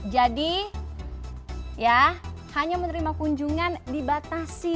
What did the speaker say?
jadi hanya menerima kunjungan dibatasi